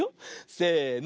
せの。